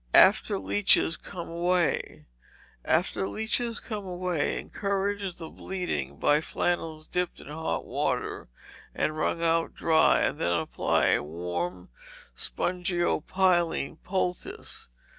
After Leeches Come Away, After leeches come away, encourage the bleeding by flannels dipped in hot water and wrung out dry, and then apply a warm spongiopiline poultice.